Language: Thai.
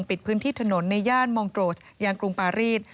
ปิดพื้นที่ถนนในย่านมองโกรสยังกรุงปารีส